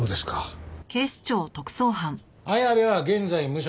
綾部は現在無職。